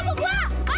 malah gua yang didorong